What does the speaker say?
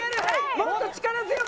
もっと力強く！